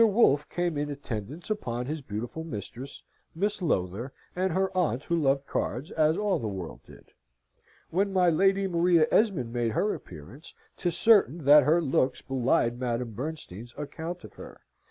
Wolfe came in attendance upon his beautiful mistress, Miss Lowther, and her aunt who loved cards, as all the world did. When my Lady Maria Esmond made her appearance, 'tis certain that her looks belied Madame Bernstein's account of her.